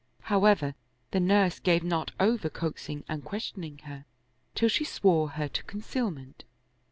However, the nurse gave not over coaxing and questioning her, till she swore her to concealment.